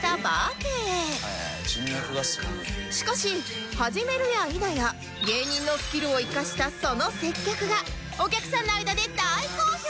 しかし始めるや否や芸人のスキルを生かしたその接客がお客さんの間で大好評